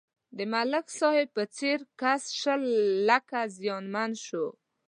د ملک صاحب په څېر کس شل لکه زیانمن شو.